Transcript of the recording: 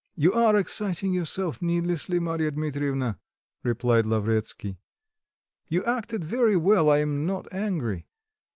"You are exciting yourself needlessly, Mary Dmitrievna," replied Lavretsky; "you acted very well, I am not angry.